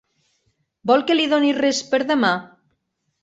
Vol que li doni res per demà?